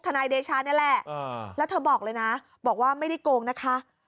นายเดชานี่แหละแล้วเธอบอกเลยนะบอกว่าไม่ได้โกงนะคะ